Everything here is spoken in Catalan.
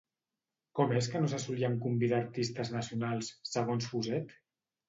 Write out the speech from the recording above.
Com és que no se solien convidar artistes nacionals, segons Fuset?